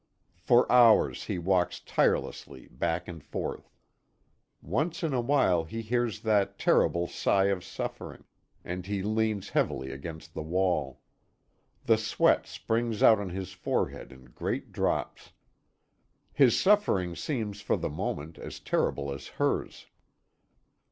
For hours he walks tirelessly back and forth. Once in a while he hears that terrible sigh of suffering, and he leans heavily against the wall. The sweat springs out on his forehead in great drops. His suffering seems, for the moment, as terrible as hers.